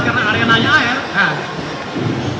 karena ariananya air